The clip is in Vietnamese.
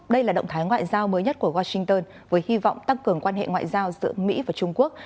đây là động thái ngoại giao mới nhất của washington với hy vọng tăng cường quan hệ ngoại giao giữa mỹ và trung quốc